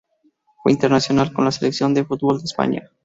Fue internacional con la selección de fútbol de España.